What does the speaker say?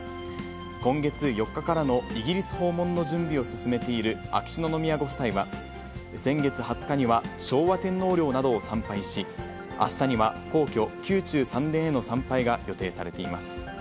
今月４日からのイギリス訪問の準備を進めている秋篠宮ご夫妻は、先月２０日には昭和天皇陵などを参拝し、あしたには皇居・宮中三殿への参拝が予定されています。